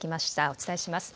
お伝えします。